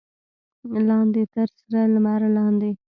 لاندې تر سره لمر لاندې.